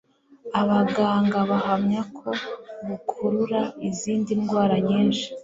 abaganga bahamya ko bukurura izindi ndwara nyinshi